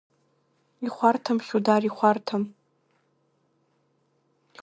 Ихәарҭам, Хьудар, ихәарҭам!